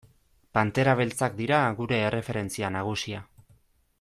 Pantera Beltzak dira gure erreferentzia nagusia.